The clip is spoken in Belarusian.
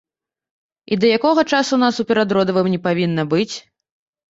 І да якога часу нас у перадродавым не павінна быць.